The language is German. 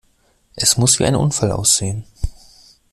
Es muss wie ein Unfall aussehen!